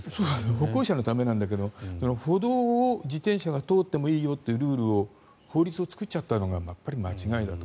歩行者のためなんだけど歩道を自転車が通ってもいいよっていうルール法律を作っちゃったのがやっぱり間違いだと。